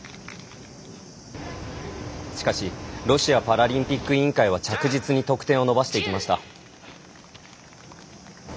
しかしロシアパラリンピック委員会は着実に得点を伸ばしていきました。